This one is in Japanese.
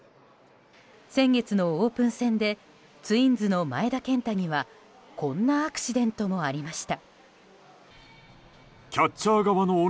先月のオープン戦でツインズの前田健太にはこんなアクシデントもありました。